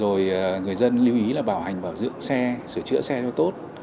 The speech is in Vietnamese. rồi người dân lưu ý là bảo hành bảo dưỡng xe sửa chữa xe cho tốt